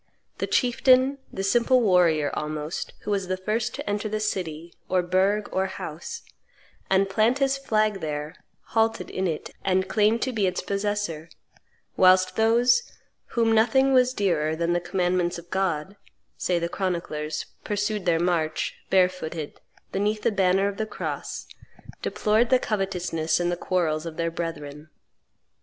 The chieftain, the simple warrior almost, who was the first to enter city, or burgh, or house, and plant his flag there halted in it and claimed to be its possessor; whilst those "whom nothing was dearer than the commandments of God," say the chroniclers, pursued their march, barefooted, beneath the banner of the cross, deplored the covetousness and the quarrels of their brethren.